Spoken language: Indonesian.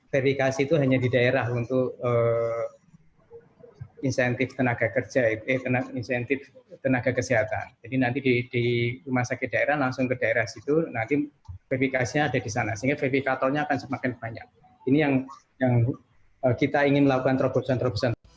pemerintah menganggarkan insentif nakes rp lima sembilan triliun dari rp delapan lima triliun anggaran stimulus kesehatan akibat pandemi